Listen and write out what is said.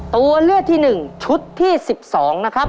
ตัวเลือกที่หนึ่งชุดที่สิบสองนะครับ